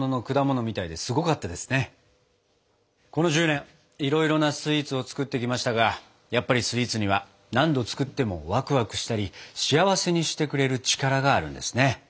この１０年いろいろなスイーツを作ってきましたがやっぱりスイーツには何度作ってもワクワクしたり幸せにしてくれる力があるんですね。